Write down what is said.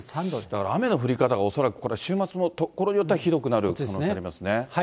だから雨の降り方が恐らくこれ、週末も所によってはひどくなる可能性ありますね。